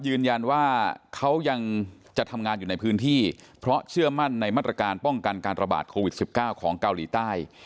ยืนยันว่าเขายังจะทำงานอยู่ในพื้นที่เพราะเชื่อมั่นในมาตรการป้องกันการระบาดโควิด๑๙ของเกาหลีใต้